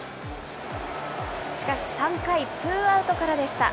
しかし３回、ツーアウトからでした。